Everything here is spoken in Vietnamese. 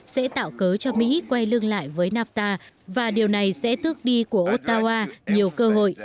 sẽ tạo cớ cho mỹ quay lưng lại với nafta và điều này sẽ tước đi của otawa nhiều cơ hội